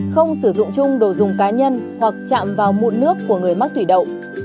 không sử dụng chung đồ dùng cá nhân hoặc chạm vào mụn nước của người mắc thủy đậu